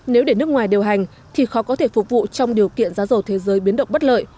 nếu để nước ngoài điều hành thì khó có thể phục vụ trong điều kiện giá dầu thế giới biến động bất lợi